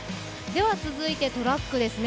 続いてトラックですね。